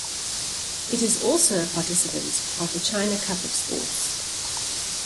It is also a participant of the China Cup of sports.